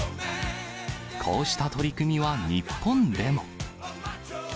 こうした取り組みは日本でも。